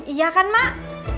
iya kan mak